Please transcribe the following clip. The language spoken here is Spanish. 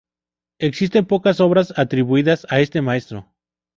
Existen pocas obras atribuidas a este maestro.